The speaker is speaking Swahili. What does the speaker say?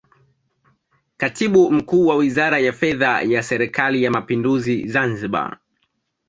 Katibu Mkuu wa Wizara ya Fedha ya Serikali ya Mapinduzi Zanzibar